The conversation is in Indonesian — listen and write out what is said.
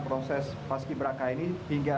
proses paski beraka ini hingga